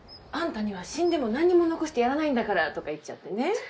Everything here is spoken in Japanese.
「あんたには死んでも何にも残してやらないんだから」とか言っちゃってね。